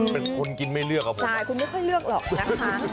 เป็นคนกินไม่เลือกอ่ะผมใช่คุณไม่ค่อยเลือกหรอกนะคะ